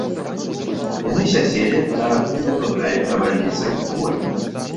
Яны сядзелі на вывернутай навальніцаю хвоі.